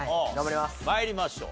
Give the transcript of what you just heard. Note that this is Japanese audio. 参りましょう。